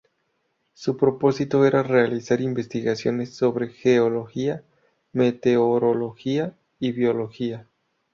Su propósito era realizar investigaciones sobre geología, meteorología y biología.